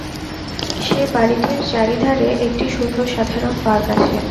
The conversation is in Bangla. সে বাড়ীটির চারিধারে একটি সুন্দর সাধারণ পার্ক আছে।